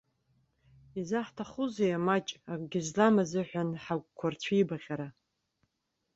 Изаҳҭахузеи амаҷ, акгьы злам азыҳәан ҳагәқәа рцәибаҟьара.